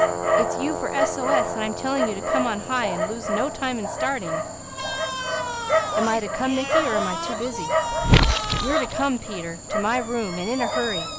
It's you for S.O.S., and I'm to tell you to come on high, and lose no time in starting." "Am I to come Mickey, or am I too busy?" "You are to come, Peter, to my room, and in a hurry.